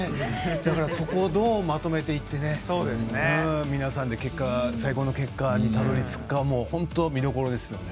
だから、そこをどうまとめていって皆さんで最高の結果にたどり着くか本当に見どころですよね。